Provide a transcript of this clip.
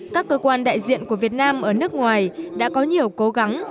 các cơ quan đại diện của việt nam ở nước ngoài đã có nhiều cố gắng